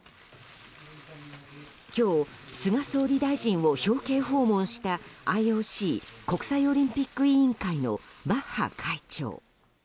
今日、菅総理大臣を表敬訪問したＩＯＣ・国際オリンピック委員会のバッハ会長。